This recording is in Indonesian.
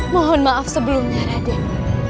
mohon maaf sebelumnya raden